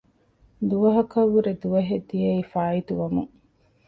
ދުވަހަކަށްވުރެ ދުވަހެއް ދިޔައީ ފާއިތުވަމުން